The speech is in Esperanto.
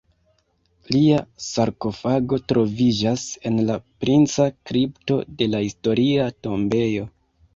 Lia sarkofago troviĝas en la Princa kripto de la historia tombejo.